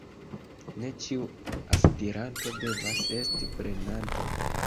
Ne ĉiu aspiranto devas esti prenanto.